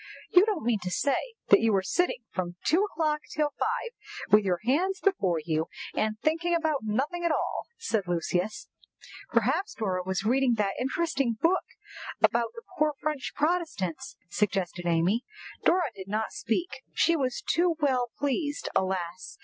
"You don't mean to say that you were sitting from two o'clock till five, with your hands before you, and thinking about nothing at all," said Lucius. "Perhaps Dora was reading that interesting book about the poor French Protestants," suggested Amy. Dora did not speak. She was too well pleased, alas!